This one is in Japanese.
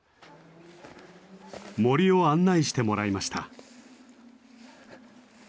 森を案内してもらいました。